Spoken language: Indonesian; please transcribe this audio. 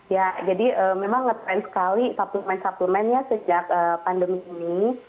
ya jadi memang ngetrend sekali suplemen suplemennya sejak pandemi ini